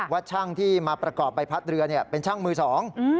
ว่าช่างที่มาประกอบใบพัดเรือเนี่ยเป็นช่างมือสอง